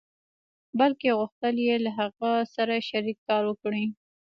بلکې غوښتل يې له هغه سره شريک کار وکړي.